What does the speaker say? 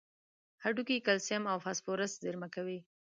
هډوکي کلسیم او فاسفورس زیرمه کوي.